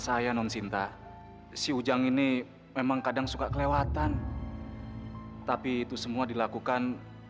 saya non sinta si ujang ini memang kadang suka kelewatan tapi itu semua dilakukan